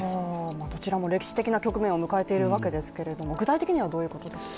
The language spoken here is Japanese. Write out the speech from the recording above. どちらも歴史的な局面を迎えているわけですけれども具体的にはどういうことですか？